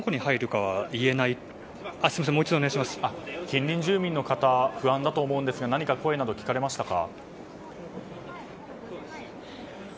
近隣住民の方不安だと思うんですが何か声など聞かれましたか？